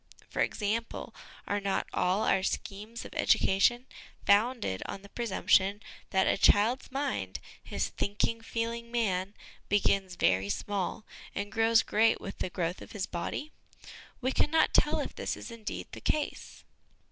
For example, are not all our schemes of education founded on the presumption that a child's mind his ' thinking, feel ing man ' begins ' very small,' and grows great with the growth of his body? We cannot tell if this is indeed the case.